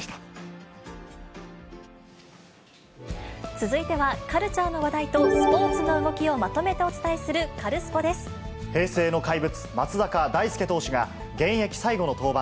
続いては、カルチャーの話題とスポーツの動きをまとめてお伝えする、カルス平成の怪物、松坂大輔投手が現役最後の登板。